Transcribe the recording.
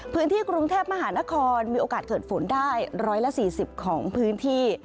พื้นที่กรุงเทพมหานครมีโอกาสเกิดฝนได้๑๔๐ของพื้นที่